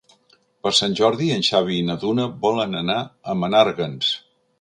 Per Sant Jordi en Xavi i na Duna volen anar a Menàrguens.